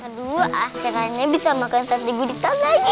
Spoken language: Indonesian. aduh akhirnya bisa makan sate gurita lagi